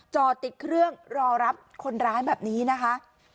จอดติดเครื่องรอรับคนร้ายแบบนี้นะคะ